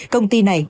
công ty này